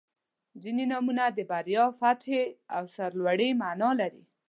• ځینې نومونه د بریا، فتحې او سرلوړۍ معنا لري.